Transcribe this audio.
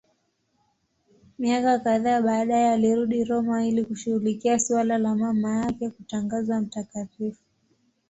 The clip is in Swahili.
Miaka kadhaa baadaye alirudi Roma ili kushughulikia suala la mama yake kutangazwa mtakatifu.